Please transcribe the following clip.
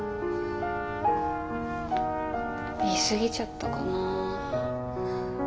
言い過ぎちゃったかな。